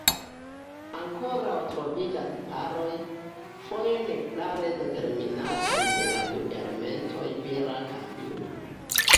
Ankoraŭ troviĝas paroj, foje ne klare determinitaj de la du elementoj vira kaj ina.